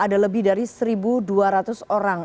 ada lebih dari satu dua ratus orang